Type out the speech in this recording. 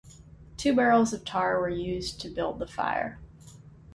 Two barrels of tar were used to build the fire.